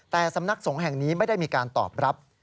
แต่สำนักสงฆ์แห่งนี้ไม่ได้มีการตอบรับ